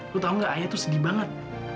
lu tau gak ayah tuh sedih banget